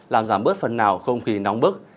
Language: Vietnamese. làm giảm bớt phần nào không khí nóng bức